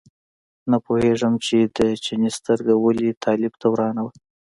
نه پوهېږم چې د چیني سترګه ولې طالب ته ورانه وه.